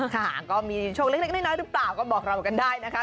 ค่ะก็มีโชคเล็กน้อยหรือเปล่าก็บอกเรากันได้นะคะ